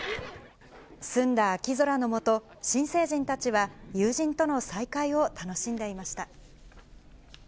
澄んだ秋空の下、新成人たちは、友人との再会を楽しんでいました。